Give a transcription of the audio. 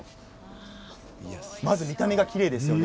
まず見た目がきれいですよね。